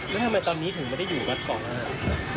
แล้วทำไมตอนนี้ถึงไม่ได้อยู่วัดเกาะนะครับ